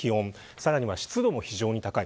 さらには湿度も非常に高い。